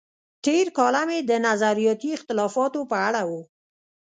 تېر کالم یې د نظریاتي اختلافاتو په اړه و.